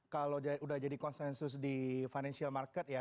kalau udah jadi konsensus di financial market ya